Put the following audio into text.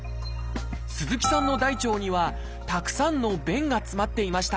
鈴木さんの大腸にはたくさんの便が詰まっていました。